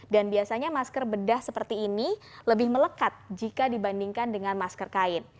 dan biasanya masker bedah seperti ini lebih melekat jika dibandingkan dengan masker kain